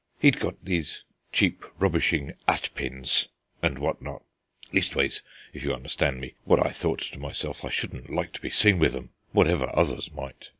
He'd got these cheap rubbishing 'atpins and what not; leastways, if you understand me, what I thought to myself I shouldn't like to be seen with 'em, whatever others might."